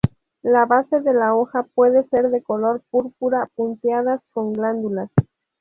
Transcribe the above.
La base de la hoja puede ser de color púrpura, punteadas con glándulas.